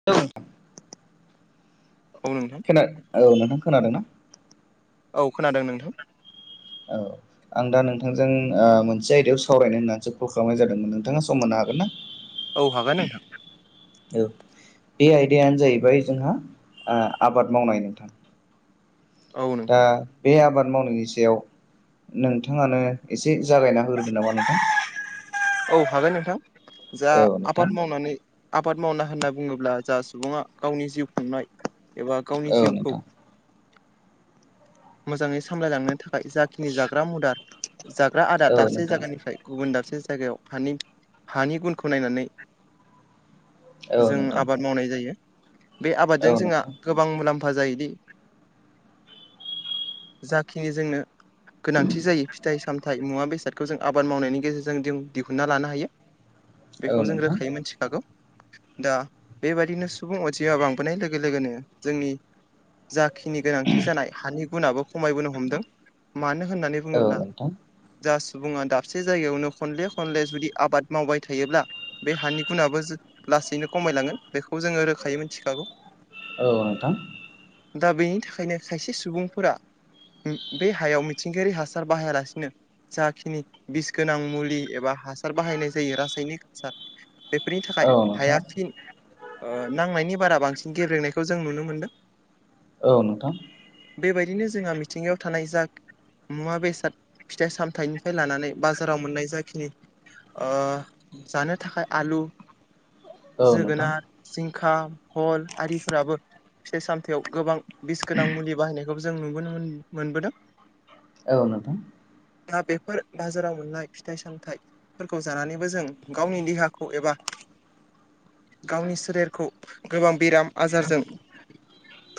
[unintelligible] औ नोंथां खोना औ नोंथां खोनादों ना? औ खोनादों नोंथां। औ आं दा नोंथांजों ओ मोनसे आयदायाव सावरायनो होननानैसो कल खालामनाय जादोंमोन नोंथाङा सम होनो हागोन ना? औ हागोन नोंथां औ बे आयदायानो जाहैबाय जोंहा ओ आबाद मावनाय नोंथां औ दा नोंथां बे आबाद मावनायनि सायाव नोंथाङानो एसे जागायना होग्रोदो नामा नोंथां। औ हागाय नोंथां जा औ नोंथां आबाद मावनानै आबाद मावना होनना बुङोब्ला जा सुबुङा गावनि जिउ खुंनाय एबा गावनि औ नोंथां जिउखौ मोजाङै सामलायलांनो थाखाय जाखिनि जाग्रा मुदार जाग्रा आदार औ दाबसे नोंथां जायगानिफ्राय गुबुन दाबसे जायगायाव हानि हानि गुनखौ नायनानै औ जों नोंथां आबाद मावनाय जायो बे आबादजों औ जोंहा नोंथां गोबां मुलाम्फा जायोदि। जाखिनि जोंनो गोनांथि जायो फिथाइ साम फिथथाय मुवा बेसादखौ जों आबाद मावनायनि गेजेरजों जों दिहुनन्ना लानो हायो। बेखौ औ जों नोंथां रोखायै मिथिखागौ दा बेबायदिनो सुबुं अनजिमा बांबोनाय लोगो लोगोनो जोंनि जाखिनि गोनांथि जानाय हानि गुनआो खमायबोनो हमदों। मानो होननानै औ बुङोब्ला नोंथां जा सुबुङा दाबसे जायगायावनो खनले खनले जुदि आबाद मावबाय थायोब्ला बे हानि गुनाबो लासैनो खमायलांगोन बेखौ जोङो रोखायै मिथिखागौ। औ नोंथां। दा बेनि थाखायनो खायसे सुबुं फोर बे हायाव मिथिंगायारि हासार बाहायालासिनो जाखिनि बिस गोनां मुलि एबा हासार बाहायनाय जायो रासायनिक हासार बेफोरनि थाखाय औ नोंथां औ हाया नोंथां फिन नांनायनि बारा बांसिन गेल्लेनायखौ जों नुनो मोनदों। औ नोंथां। बेबायदिनो जोंहा मिथिंगायाव थानाय जा मुवा बेसाद फिथाइ सामथाइनिफ्राय लानानै बाजाराव मोननाय जाखिनि ओ जानो थाखाय आलु जोगोनार जिंखा फल आरिफोराबो फिथाइ सामथायाव गोबां बिस गोनां मुलि बाहायनाय बेखौ जों मोन मोनबोदों। औ नोंगौ। दा बेफोर बाजाराव मोननाय फिथाइ सामथाइ फोरखौ जानानैबो जों गावनि देहाखौ एबा गावनि सोलेरखौ गोबां बेराम आजारजों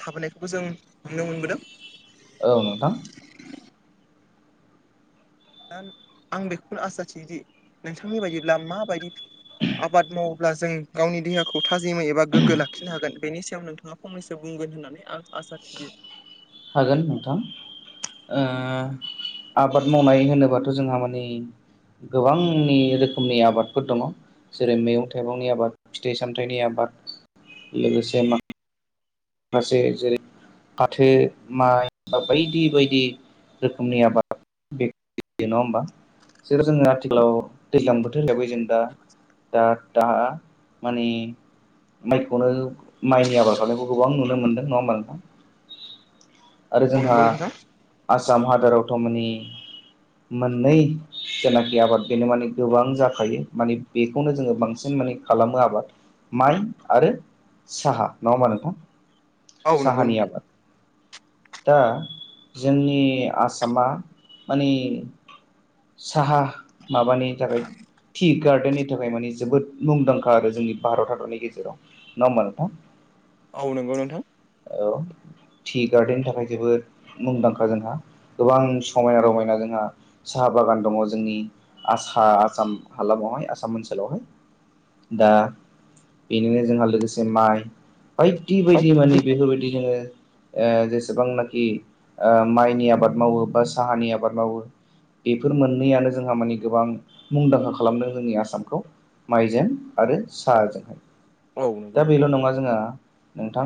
थाबोनायखौबो जों नुनो मोनबोदों। औ नोंथां। दा आं बेखौनो आसा थियोदि नोंथांनि बायदिब्ला माबायदि आबाद मावोब्ला जों गावनि देहाखौ थाजिमै एबा गोग्गो लाखिनो हागोन बेनि सायाव नोंथाङा खमैसो बुंगोन होननानै आं आसा थियो हागोन नोंथां आबाद मावनाय होनोबाथ' जोंहा माने गोबांनि रोखोमनि आबादफोर दङ जेरै मैगं थाइगंनि आबाद फिथाइ सामथाइनि आबाद लोगोसे मा माखासे जेरै फाथो माइ बा बायदि बायदि रोखोमनि आबाद बेयो नङा होम्बा बेखौ जोङो आथिखालाव दैज्लां बोथोर लायबाय जों दा दा दा माने माइखौनो माइनि आबाद खालाम गोबां नुनो मोनदों नङाोमानोनथां आरो औ जोंहा नंगौ नोंथां आसाम हादोराव थ' मे मोननै जेनाखि आबाद बेनो माने गोबां जाखायो माने बेखौनो जोङो बांसिन माने खालामो आबाद। माइ आरो साहा नङा होमा नोंथां औ नंगौ साहानि नोंथां आबाद। दा जोंनि आसामा माने साहा माबानि जाबाय टि गार्डेननि थाखाय माने जोबोद मुंदांखा आरो जोंनि भारत हादरनि गेजेराव नङा होम्बा नोंथां औ नोंगौ नोंथां औ टि गार्डेननि थाखाय जोबोद मुंदांखा जोंहा गोबां समायना रमायना जोंहा साहा बागान दङ जोंनि आ आसाम हालामावहाय आसाम ओनसोलावहाय दा बेनिनो जोंहा लोगोसे माइ बाय बिदि बायदि माने बेफोरबायदि जोङो जेसेबांनाखि माइनि आबाद मावो बा साहानि आबाद मावो बेफोर मोननैयानो जोंहा मानि गोबां मुंदांखा खालामदों जोंनि आसामखौ माइजों आरो साहाजोंहाय औ नंगौ दा नोंथां बेल' नङा जोंहा नोंथां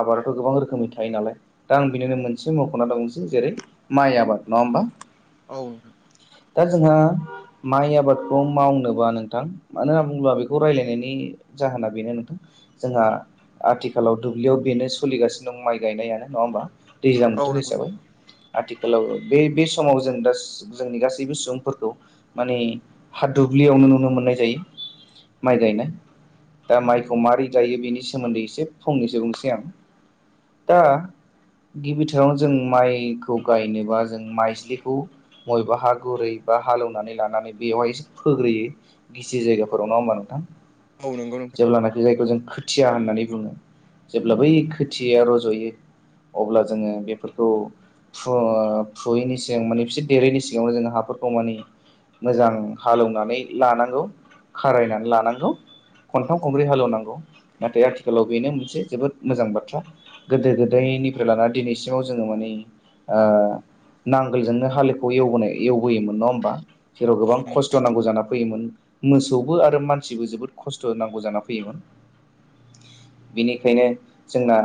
आबादाथ' गोबां रोखोमनि थायो नालाय दा आं बिनिनो मोनसे मख'ना दंसै जेरै माइ आबाद नङा होम्बा औ दा जोंहा माइ आबादखौ मावनोबा नोंथां मानो होनना बुङोब्ला बेखौ रायलायनायनि जाहोना बेनो नोंथां जोंहा आथिखालाव दुब्लियाव बेनो सोलिगासिनो दं माइ गायनायानो नङा होम्बा दैज्लां औ बोथोर नंगौ हिसाबै नोंथां। आथिखालाव बे बे समाव जों दा जोंनि गासैबो सुबुंफोरखौ माने हा दुब्लियावनो नुनो मोननाय जायो माइ गायनाय दा माइखौ माबारै गायो बेनि सिगां सोमोन्दै एसे फंनैसो बुंसै आं दा गिबिथाराव जों माइखौ गायनोबा जों माइस्लिखौ बबेबा हा गुरै बा हालेवनानै लानानै बेयावहाय एसे फोग्रोयो गिसि जायगाफोराव ना होमबा नोंथां औ नंगौ नोंथां जेब्लानाखि जायगायाव जोंथि खोथिया होननानै बुङो जेब्ला बै खोथियाया रज'यो अब्ला जोङो बेफोरखौ फु फुयैनि सिगां माने बिसोर देरैनि सिगाङावनो जोङो हाफोरखौ माने मोजां हालौवनानै लानांगौ खारायनानै लानांगौ खनथाम खनब्रै हालेवनांगौ नाथाय आथिखालाव बेनो मोनसे जोबोद मोजां बाथ्रा गोदो गोदायनिफ्राय लानानानै दिनैसिमाव जोङो माने नांगोलजोंनो हालोखौ एवोनाय एवबोयोमोन नङा होम्बा जेराव गोबां औ नंगौ खस्थ' नांगौ जान फैयोमोन मोसौबो आरो मानसिबो जोबोद खस्थ' नांगौ जाना फैयोमोन बेनिखायनो जोंना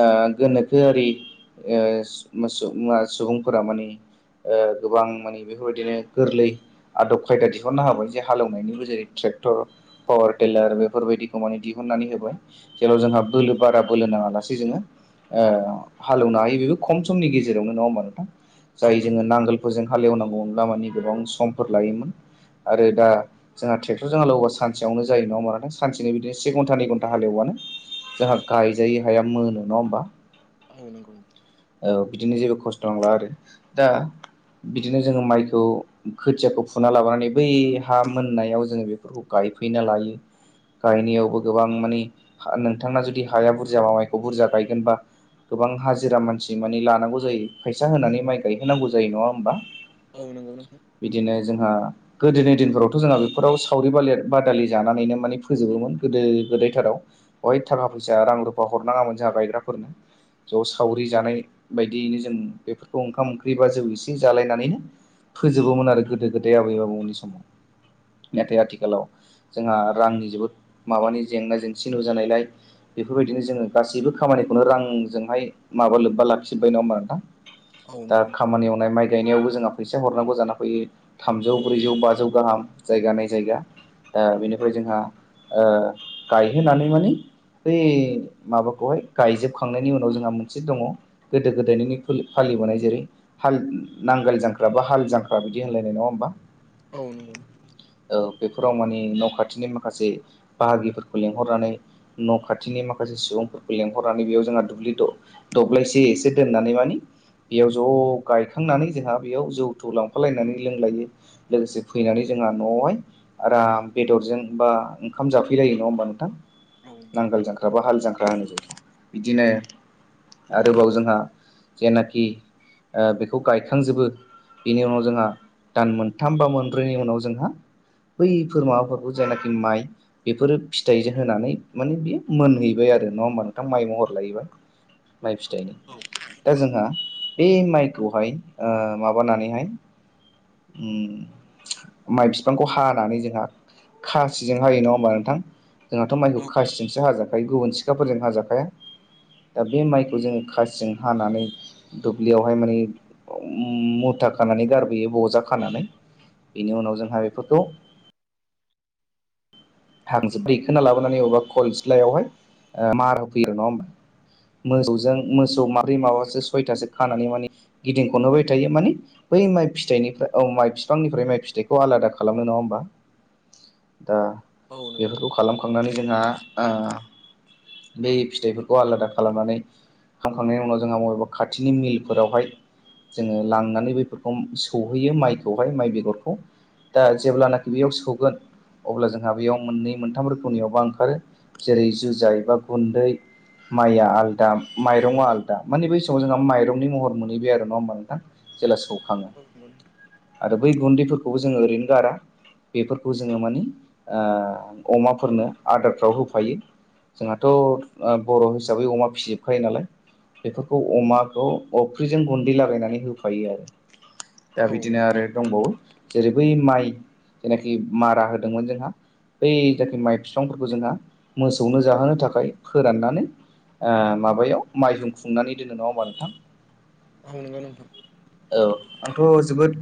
ओ गोनोखोआरि ओ सु मोसु सुबुंफोरा माने ओ गोबां माने बेफोरबायदिनो गोरलै आदब खायदा दिहुननो हाबाय जे हालेवनायनिबो जेरै ट्रेक्टर पावार टिलार बेफोरबायदि कमनेटि नानै होबाय जेराव जोंहा बोलो बारा बोलो नाङा लासेै जोङो ओ हाल एवनो हायो बेबो खम समनि गेजेरावनो नङा होमबा नोंथां औ जाय नंगौ जोङो नांगोल हजों हालेवनांगौमोनब्ला माने गोबां समफोर लायोमोन। आरो दा जोंहा ट्रेक्टरजों हाल एवबा सानसेयावनो जायो नङा होमबा नोंथां सानसेनो बिदिनो से घन्टा नै घन्टा हालेवानो जोंहा गायजायै हाया मोनो नङा होमबा औ नंगौ औ बिदिनो जेबो खस्थ' नांला आरो दा बिदिनो जोङो माइखौ खोथियाखौ फुना लाबोनानै बै हा मोननायाव जोङो बे बेफोरखौ गायफैना लायो गायनायाव गोबां माने नोंथांना जुदि हाया बुरजा माबाइखौ बुरजा गायगोनबा गोबां हाजिरा मानसि माने लानांगौ जायो फैसा होनानै माइ गायहोनांगौ जायो नङा होम्बा औ नंगौ नोंथां बिदिनो जोंहा गोदोनि दिनफोरावथ' जोंहा बेफोराव सावरि बादालि जानानैनो माने फोजोबोमोन। गोदो गोदायथाराव बहाय थाखा फैसा रां रुफा हरनाङामोन जोंहा गायग्राफोरनो ज' सावरि जानाय बायदियैनो जों बेफोरखौ ओंखाम ओंख्रि बा जौ एसे जालायनानैनो फोजोबोमोन आरो गोदो गोदाय आबै आबौमोननि समाव। नाथाय आथिखालाव जोंहा रांनि जोबोद माबानि जेंना जेंसि नुजानायलाय बेफोरबायदिनो जोङो गासैबो खामानिखौनो रांजोंहाय माबा लोब्बा लाखिबाय न ओमबा नोंथां औ दा नंगौ खामानि मावनाय माइ गायनायावबो जोंहा फैसा हरनांगौ जाना फैयो थामजौ ब्रैजौ बाजौ गाहाम जायगा नायै जायगा। ओ बेनिफ्राय जोंहा ओ गायहोनानै माने बै माबाखौहाय गायजोबखांनायनि उनाव जोंहा मोनसे दङ गोदो गोदायनिनो फोलि फालिबोनाय जेरै हाल नांगोल जांख्रा बा हाल जांख्रा बिदि होनलायनाय नङा होमबा। औ नंगौ औ बेफोराव माने न' खाथिनि माखासे बाहागिफोरखौ लिंहरनानै न' खाथिनि माखासे सुबुंफोरखौ लेंहरनानै बेयाव जोंहा दुब्लि दर दब्लायसे एसे दोननानै माने बेयाव ज' गायखांनानै जोंहा बेयाव जौथु लांफालायनानै लोंलायो। लोगोसे फैनानै जोंहा न'आवहाय आराम बेदरजों बा ओंखाम जाफैलायो नङा होमबा नोंथां नांगोल जांख्रा बा हाल जांख्रा होनाय जायो बिदिनो आरोबाव जोंहा जेनाखि ओ बेखौ गायखांजोबो बेनि उनाव जोंहा दान मोनथाम बा मोनब्रैनि उनाव जोंहा बैफोर माबाफोरखौ जायनाखि माइ बेफोरो फिथाइजों होनानै माने बेयो मोनहैबाय आरो नङा होमबा नोंथां माइ महरलायोबा। माइ फिथाइनि औ दा जोंहा बे माइखौहाय ओ माबानानैहाय उम माइ बिफांखौ हानानै जोंहा खासिजों हायो नङा होनबा नोंथां जोंहाथ' माइखौ औ खासिजोंसो हाजाखायो गुबुन सिखाफोरजों हाजाखाया। दा बे माइखौ जों खासिजों हानानै दुब्लियावहाय माने मुथा खानानै गारबोयो बजा खानानै बेनि उनाव जोंहा बेफोरखौ [unintelligible] दैखांना लाबोनानै अबेबा खनस्लायावहाय मार होफैयो नङा होमबा मोसौजों मोसौ माब्रै औ माबासो नंगौ सयथासो खानानै माने गिदिंख'नहोबाय थायो माने बै माइ फिथाइनिफ्राय औ माइ बिफांनिफ्राय माइ फिथाइखौ आलादा खालामनो नङा होमबा दा औ नंगौ औ नंगौ बेफोरखौ खालामखांनानै जोंहा ओ बै फिथाइफोरखौ आलादा खालामनानै खामखांनायनि उनाव जोंहा बबेबा खाथिनि मिलफोरावहाय जोङो लांनानै बैफोरखौ सौहैयो माइखौहाय माइ बेगरखौ दा जेब्लानाखि बेयाव सौगोन अब्ला जोंहा बेयाव मोननै मोनथाम रोखोमनियावबा ओंखारो जेरै जुजाइ बा गुन्दै माइया आलादा माइरङा आलदा माने बै समाव जोंहा माइरंनि महर मोनहैबाय आरो नङाहोमबा नोंथां जेब्ला सौखाङो आरो बै गुन्दैफोरखौबो जोङो ओरैनो गारा बेफोरखौ जों जोङो माने आ अमाफोरनो आदारफ्राव होफायो। जोंहाथ' अ बर' हिसाबै अमा फिसिजोबखायो नालाय बेफोरखौ अमाखौ अफ्रिजों गुन्दै लागायनानै होफायो आरो। दा औ बिदिनो नंगौ आरो दंबावो जेरै बै माइ जेनाखि मारा होदोंमोन जोंहा बै जाखि माइ बिफांफोरखौ जोंहा मोसौनो जाहोनो थाखाय फोराननानै आ माबायाव माइहुं खुंनानै दोनो नङा होमबा नोंथां। ओ नंगौ नोंथां औ आंथ' जोबोद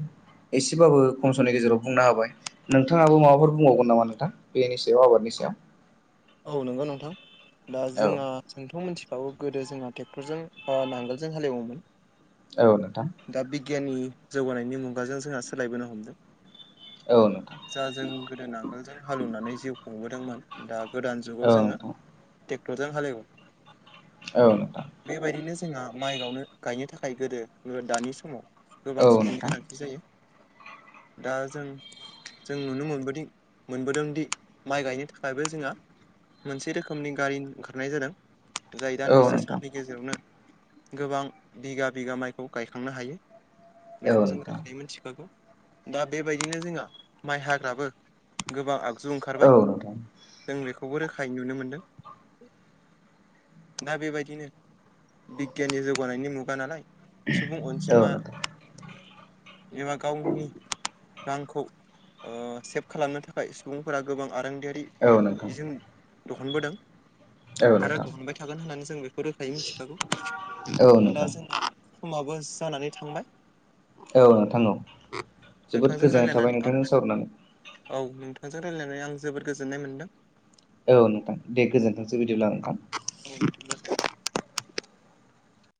एसेबाबो खम समनि गेजेराव बुंना होबाय नोंथाङाबो माबाफोर बुंबावगोन नामा नोंथां बेनि सायाव आबादनि सायाव औ नंगौ नोंथां दा औ जोंङा जोंथ' मिथिखाबो गोदो जोंहा ट्रेक्टरजों अ नांगोलजों हालेवोमोन औ नोंथां दा बिगियाननि जौगानायनि मुगाजों जोंहा सोलायबोनो हमदों औ नोंथां जा जों गोदो आगोलजों हालौवनानै जिउ खुंबोदोंमोन दा गोदान जुगाव औ जोङो नोंथां टेक्टरजों हालेव औ नोंथां बेबायदिनो जोंहा माइ गावनो गायनो थाखाय गोदो दानि समाव गोबां औ सुबुंनि नोंथां गोनांथि जायो दा जों जों नुनो मोनबोदों मोनबोदोंदि माइ गायनो थाखायबो जोंहा मोनसे रोखोमनि गारि ओंखारनाय जादों जाय औ दान्दिसे नोंथां समनि गेजेरावनो गोबां बिगा बिगा माइखौ गायखांनो हायो औ बेखौबो जों नोंथां रोखायै मिथिखागौ दा बेबायदिनो जोंहा माइ हाग्राबो गोबां आगजु औ ओंखारबाय नोंथां जों बेखौबो रोखायै नुनो मोनदों दा बेबायदिनो बिगियाननि जौगानायनि मुगा नालाय सुबुं औ अनजिमा नोंथां एबा गावनि रांखौ ओ सेभ खालामनो थाखाय सुबुंफोरा गोबां आरोंदियारि औ नोंथां बिजों दहनबोदों औ आरो नोंथां दहनबाय थागोन होननानै जों बेखौ रोखायै मिथिखागौ औ दा नोंथां जोंना समाबो जानानै थांबाय औ नोंथां औ जोबोद नोंथांजों गोजोननाय थाबाय रायलायनानै आं नोंथांजों सावरायनानै औ नोंथांजों रायज्लायनानै आं जोबोद गोजोननाय मोनदों औ नोंथां दे गोजोनथोंसै बिदिब्ला ओंखाम औ नोंथां गोजों